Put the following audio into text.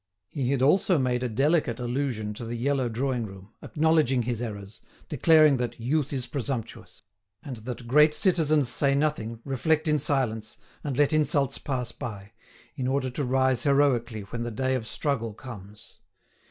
He had also made a delicate allusion to the yellow drawing room, acknowledging his errors, declaring that "youth is presumptuous," and that "great citizens say nothing, reflect in silence, and let insults pass by, in order to rise heroically when the day of struggle comes."